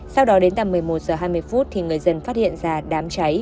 sau đó đến tầm một mươi một h hai mươi phút thì người dân phát hiện ra đám cháy